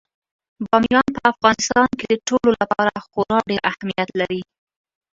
بامیان په افغانستان کې د ټولو لپاره خورا ډېر اهمیت لري.